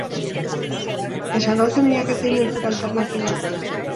Esan ahal zenidake zein den zure alternatiba?